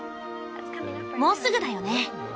もうすぐだよね！